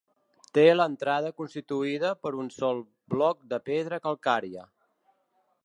Té l'entrada constituïda per un sol bloc de pedra calcària.